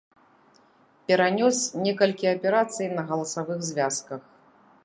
Перанёс некалькі аперацый на галасавых звязках.